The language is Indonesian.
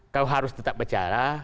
kau harus tetap bicara